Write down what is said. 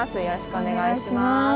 よろしくお願いします。